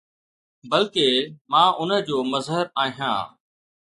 بلڪه، مان ان جو مظهر آهيان.